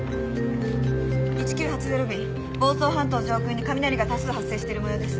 １９８０便房総半島上空に雷が多数発生しているもようです。